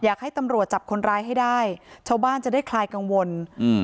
อยากให้ตำรวจจับคนร้ายให้ได้ชาวบ้านจะได้คลายกังวลอืม